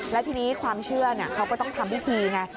แล้วทีนี้ความเชื่อเขาก็ต้องทำพิธีไง